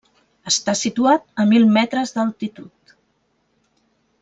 Està situat a mil metres d'altitud.